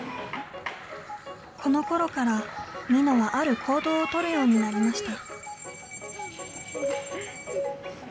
このころからみのはある行動をとるようになりました。